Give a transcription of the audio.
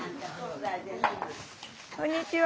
こんにちは。